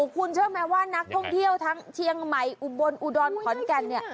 คุณเชิญไหมว่านักท่องเที่ยวทั้งเทียงใหม่อุบนอุดอนพรรท์กัน